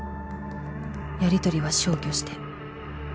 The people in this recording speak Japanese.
「やりとりは消去して」